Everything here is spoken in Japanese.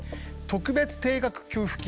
特別定額給付金